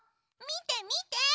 みてみて！